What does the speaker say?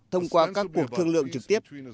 thông qua các cuộc thương lượng trực tiếp